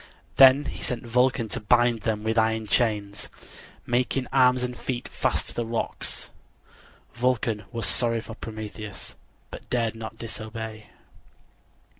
Then he sent Vulcan to bind him with iron chains, making arms and feet fast to the rocks. Vulcan was sorry for Prometheus, but dared not disobey.